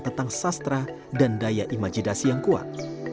tentang sastra dan daya imajinasi yang kuat